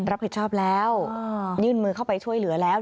รับผิดชอบแล้วยื่นมือเข้าไปช่วยเหลือแล้ว